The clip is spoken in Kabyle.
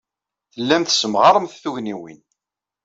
Tellamt tessemɣaremt tugniwin.